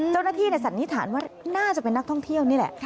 เจ้าหน้าที่สันนิษฐานว่าน่าจะเป็นนักท่องเที่ยวนี่แหละ